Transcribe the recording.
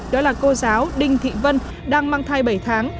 đó là cô giáo đinh thị vân đang mang thai bảy tháng